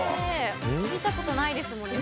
見たことないですもんね。